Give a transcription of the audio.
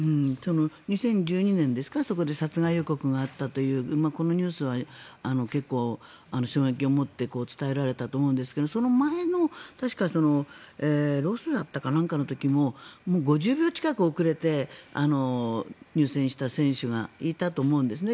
２０１２年ですかそこで殺害予告があったというこのニュースは結構衝撃を持って伝えられたと思うんですがその前の確かロスだったかなんかの時も５０秒近く遅れて入選した選手がいたと思うんですね。